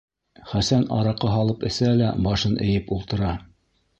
Хәсән араҡы һалып эсә лә башын эйеп ултыра.